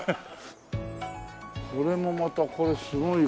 これもまたこれすごいこの。